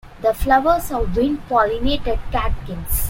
The flowers are wind-pollinated catkins.